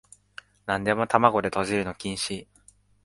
なんでも玉子でとじるの禁止